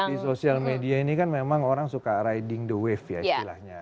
di sosial media ini kan memang orang suka riding the wave ya istilahnya